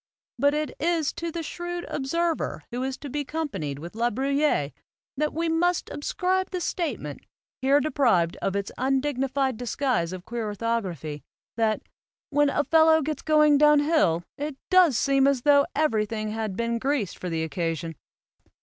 But it is to the shrewd observer who is to be companied with La Bruyere that we must ascribe the statement, here deprived of its undignified disguise of queer orthography, that "when a fellow gets going down hill, it does seem as tho everything had been greased for the occasion."